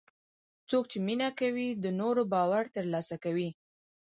څوک چې مینه کوي، د نورو باور ترلاسه کوي.